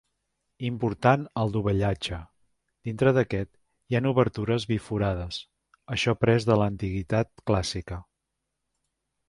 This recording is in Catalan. Important el dovellatge, dintre d'aquest hi han obertures biforades, això pres de l'antiguitat clàssica.